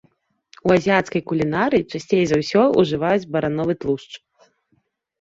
У азіяцкай кулінарыі часцей за ўсё ўжываюць барановы тлушч.